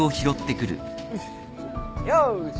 よし。